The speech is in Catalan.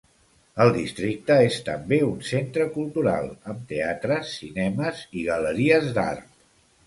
El districte és també un centre cultural, amb teatres, cinemes i galeries d'art.